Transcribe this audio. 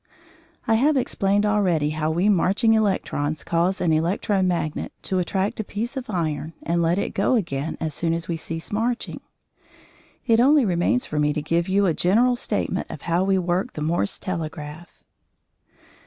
I have explained already how we marching electrons cause an electro magnet to attract a piece of iron and let it go again as soon as we cease marching. It only remains for me to give you a general statement of how we work the Morse telegraph.